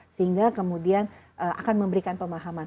sehingga kemudian akan memberikan pemahaman